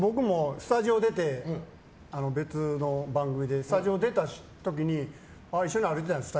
僕も別の番組でスタジオ出た時に一緒に歩いてたんです。